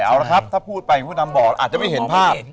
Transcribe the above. เอาละครับถ้าพูดไปคุณพระดำบอกอาจจะไม่เห็นภาพ